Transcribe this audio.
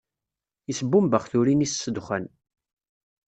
Isbumbex turin-is s ddexxan.